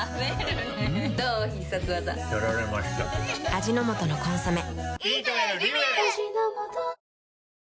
味の素の「コンソメ」７